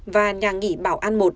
và nhà nghỉ bảo an một